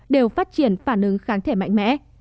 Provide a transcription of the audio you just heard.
đều phát triển phản ứng kháng thể mạnh mẽ